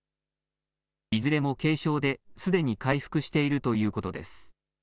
いずれも軽症で、すでに回復しているということです。